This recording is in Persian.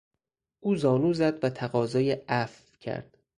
او زانو زد و تقاضای عفو کرد.